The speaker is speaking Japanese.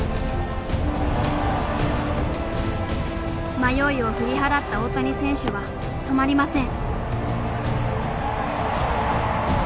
迷いを振り払った大谷選手は止まりません。